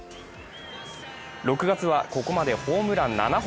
６月は、ここまでホームラン７本。